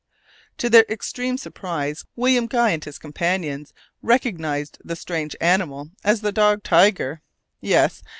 To their extreme surprise, William Guy and his companions recognized the strange animal as the dog Tiger. Yes!